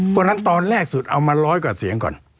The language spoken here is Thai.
เพราะฉะนั้นตอนแรกสุดเอามาร้อยกว่าเสียงก่อน